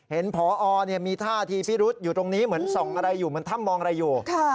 พอมีท่าทีพิรุษอยู่ตรงนี้เหมือนส่องอะไรอยู่เหมือนถ้ำมองอะไรอยู่